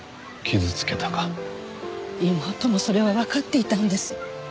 妹もそれはわかっていたんです。